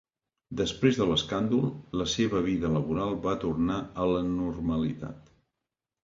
Després de l'escàndol, la seva vida laboral va tornar a la normalitat.